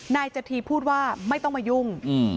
นายจธีพูดว่าไม่ต้องมายุ่ง